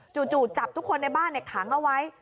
จู่จับทุกคนในบ้านขังเอาไว้